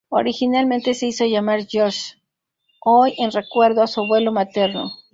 Originalmente se hizo llamar George Hoy, en recuerdo a su abuelo materno.